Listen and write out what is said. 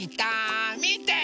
みて！